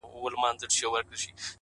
كه ملاقات مو په همدې ورځ وسو!